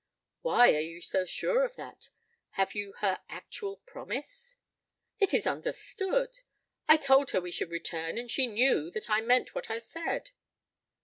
"Why are you so sure of that? Have you her actual promise?" "It is understood. I told her we should return and she knew that I meant what I said."